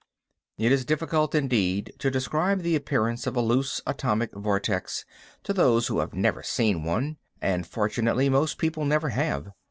It is difficult indeed to describe the appearance of a loose atomic vortex to those who have never seen one; and, fortunately, most people never have.